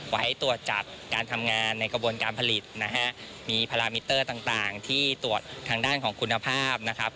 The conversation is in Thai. ไว้ตรวจจัดการทำงานในกระบวนการผลิตนะฮะมีพารามิเตอร์ต่างที่ตรวจทางด้านของคุณภาพนะครับ